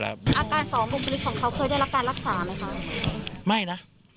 อาจารย์สองสองบุคลิกของเขาเคยได้รับการรักษาไหมคะ